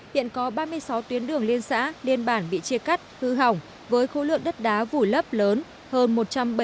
hiện có ba mươi sáu tuyến đường liên xã liên bản bị chia cắt hư hỏng với khối lượng đất đá vùi lấp lớn hơn một trăm bảy mươi